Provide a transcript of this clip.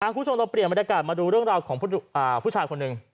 คุณผู้ชมเราเปลี่ยนบรรยากาศมาดูเรื่องราวของผู้ชายคนหนึ่ง